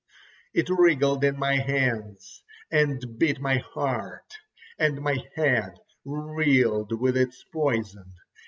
It wriggled in my hands, and bit my heart, and my head reeled with its poison.